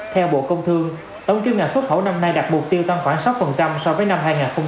theo bộ công thương tổng chức ngành xuất khẩu năm nay đạt mục tiêu tăng khoảng sáu so với năm hai nghìn hai mươi hai